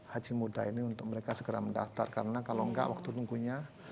haji muda ini untuk mereka segera mendaftar karena kalau enggak waktu nunggunya